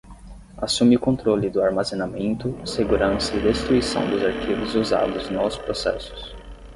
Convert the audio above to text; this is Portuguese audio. Assume o controle do armazenamento, segurança e destruição dos arquivos usados nos processos.